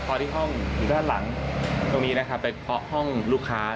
พอที่ห้องอยู่ด้านหลังตรงนี้นะครับไปเคาะห้องลูกค้า